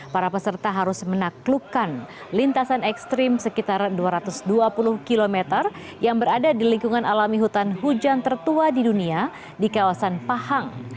para peserta harus menaklukkan lintasan ekstrim sekitar dua ratus dua puluh km yang berada di lingkungan alami hutan hujan tertua di dunia di kawasan pahang